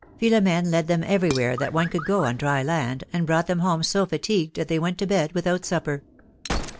Philomene led them every where that one could go on dry land, and brought them home so fatigued that they w'ent to bed without supper.